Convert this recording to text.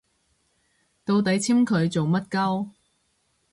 到底簽佢做乜 𨳊